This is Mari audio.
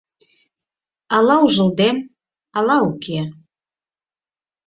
Ала ужылдем, ала уке.